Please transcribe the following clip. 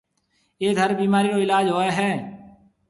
ايٿ ھر بيمارِي رو علاج ھوئيَ ھيََََ